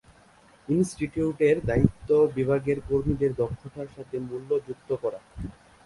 ইনস্টিটিউটের দায়িত্ব বিভাগের কর্মীদের দক্ষতার সাথে মূল্য যুক্ত করা।